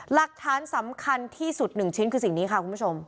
หลักฐานสำคัญที่สุด๑ชิ้นคือสิ่งนี้ค่ะคุณผู้ชม